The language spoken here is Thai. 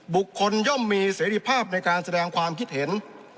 บุคคลย่อมมีเสรีภาพในการแสดงความคิดเห็น